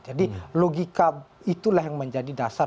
jadi logika itulah yang menjadi dasar